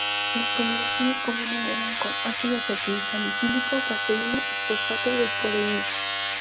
Las combinaciones comunes eran con: ácido acetilsalicílico, cafeína o fosfato de codeína.